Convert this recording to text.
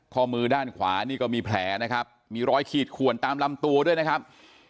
ข้อมือด้านขวานี่ก็มีแผลนะครับมีรอยขีดขวนตามลำตัวด้วยนะครับ